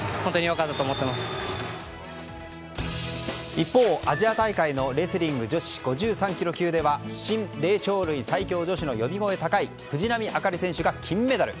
一方、アジア大会のレスリング女子５３ｋｇ級では新霊長類最強女子の呼び声高い藤波朱理選手が金メダル！